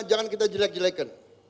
jangan kita jelek jelekan